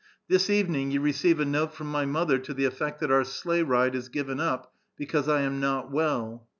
This evening you receive a note from my mother to the effect that our sleighride is given up, because I am not well."